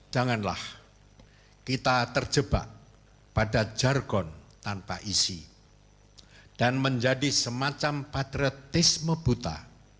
janganlah kita terjebak pada jargon tanpa isi dan menjadi semacam patriotisme buta